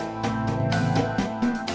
nginep keren bang edi